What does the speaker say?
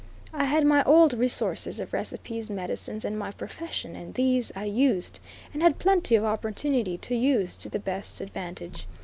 I had my old resources of recipes, medicines and my profession, and these I used, and had plenty of opportunity to use, to the best advantage.